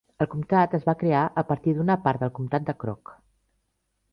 El comptat es va crear a partir d'una part del comptat de Crook.